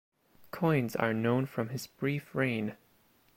Coins are known from his brief reign.